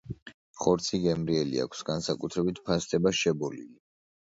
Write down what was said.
ხორცი გემრიელი აქვს, განსაკუთრებით ფასდება შებოლილი.